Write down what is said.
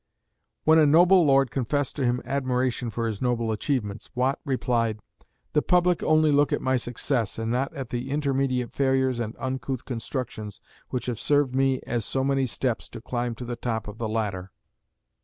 When a noble lord confessed to him admiration for his noble achievements, Watt replied, "The public only look at my success and not at the intermediate failures and uncouth constructions which have served me as so many steps to climb to the top of the ladder."